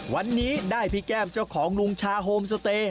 วันนี้ได้พี่แก้มเจ้าของลุงชาโฮมสเตย์